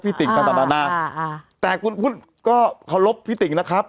พี่ติ่งต่างต่างนานอ่าอ่าแต่คุณพุทธก็ขอรบพี่ติ่งนะครับ